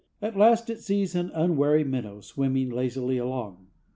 At last it sees an unwary minnow swimming lazily along.